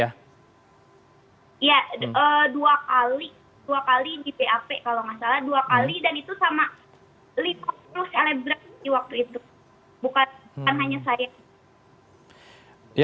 ya dua kali dua kali di bap kalau nggak salah dua kali dan itu sama lima puluh selebgram di waktu itu bukan hanya saya